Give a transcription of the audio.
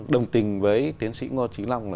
đồng tình với tiến sĩ ngô trí long